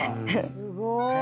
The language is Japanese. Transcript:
すごい。